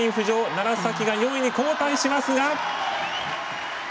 楢崎が４位に後退しますが。